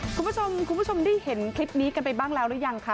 คุณผู้ชมคุณผู้ชมได้เห็นคลิปนี้กันไปบ้างแล้วหรือยังคะ